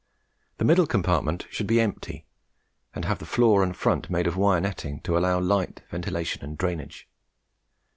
The middle compartment should be empty and have the floor and front made of wire netting, to allow light, ventilation and drainage.